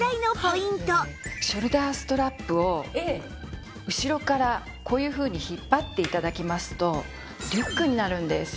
ショルダーストラップを後ろからこういうふうに引っ張って頂きますとリュックになるんです。